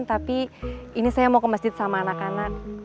tapi ini saya mau ke masjid sama anak anak